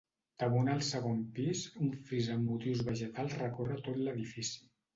Damunt el segon pis, un fris amb motius vegetals recorre tot l'edifici.